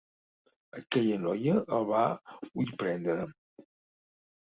Aquella noia el va ullprendre.